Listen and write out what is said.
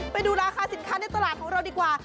ไปดูราคาสินค้าในตลาดของเราดีกว่า